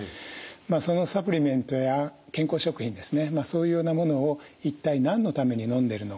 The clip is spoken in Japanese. そのサプリメントや健康食品ですねそういうようなものを一体何のためにのんでるのか。